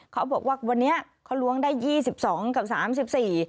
เขาบอกว่าวันนี้เขาล้วงได้ยี่สิบสองกับสามสิบสี่